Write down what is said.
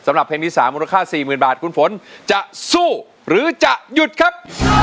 เพลงที่๓มูลค่า๔๐๐๐บาทคุณฝนจะสู้หรือจะหยุดครับ